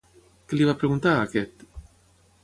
Què li va preguntar a aquest?